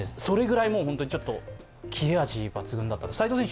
それぐらいちょっとキレ味抜群だった。